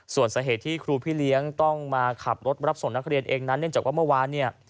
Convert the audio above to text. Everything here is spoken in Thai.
ส่วนสาเหตุที่ครูพี่เลี้ยงต้องมาขับรถรับส่งนักเรียนเองนั้นเนื่องจากว่าเมื่อวานเนี่ย